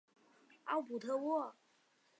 奥普特沃。